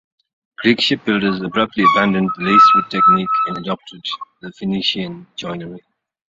Greek shipbuilders abruptly abandoned the laced wood technique and adopted the Phoenician joinery.